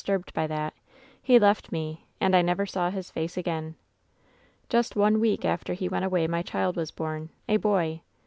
turbed by that. He left me, and I never saw his fac6 again. "Just one week after he went away my child was bom —a boy.